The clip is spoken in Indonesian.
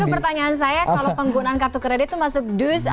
masih banyak pertanyaan saya kalau penggunaan kartu kredit itu masuk dues